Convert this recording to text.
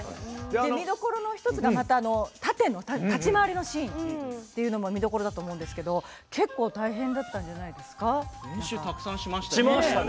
見どころの１つが殺陣の立ち回りのシーンも見どころだと思うんですけど練習をたくさんしましたね。